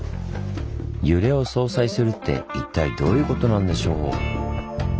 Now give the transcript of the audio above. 揺れを相殺するって一体どういうことなんでしょう？